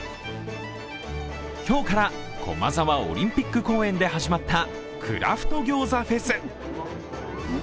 今日から駒沢オリンピック公園で始まったクラフト餃子フェス。